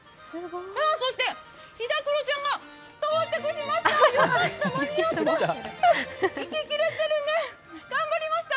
そして、ひだくろちゃんが到着しました。